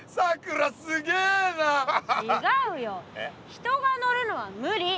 人が乗るのは無理。